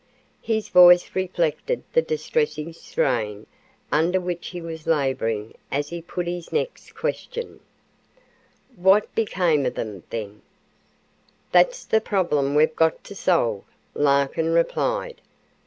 His voice reflected the distressing strain under which he was laboring as he put his next question: "What became of them then?" "That's the problem we've got to solve," Larkin replied.